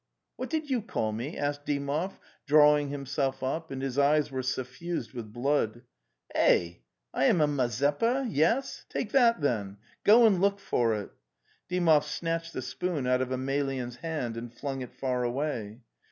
'What did you call me?" asked Dymov, draw ing himself up, and his eyes were suffused with blood. Ebivam 2 Mazeppar Yes? "fake that, then go and look for it." Dymoy snatched the spoon out of Emelyan's hand and flung it far away.